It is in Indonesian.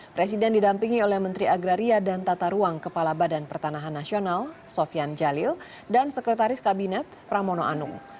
presiden didampingi oleh menteri agraria dan tata ruang kepala badan pertanahan nasional sofian jalil dan sekretaris kabinet pramono anung